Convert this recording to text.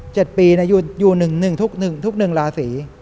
เจ็ดปีนะอยู่หนึ่งทุกหนึ่งทุกหนึ่งราศี